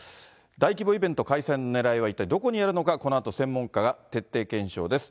大規模イベント開催のねらいは、一体どこにあるのか、このあと専門家が徹底検証です。